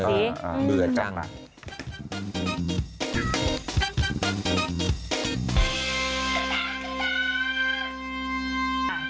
เหลือจัง